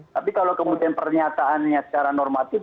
tapi kalau kemudian pernyataannya secara normatif